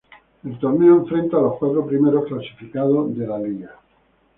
El torneo enfrenta a los cuatro primeros clasificados de la Liga.